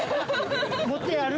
もっとやる？